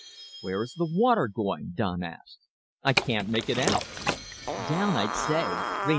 "Where is the water going?" Don asked. "I can't make it out." "Down, I'd say.